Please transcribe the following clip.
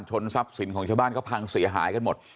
ทรัพย์สินของชาวบ้านเขาพังเสียหายกันหมด